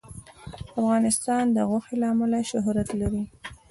افغانستان د غوښې له امله شهرت لري.